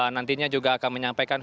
nantinya juga akan menyampaikan